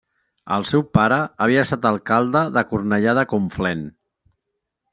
El seu pare havia estat alcalde de Cornellà de Conflent.